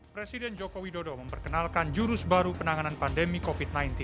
presiden joko widodo memperkenalkan jurus baru penanganan pandemi covid sembilan belas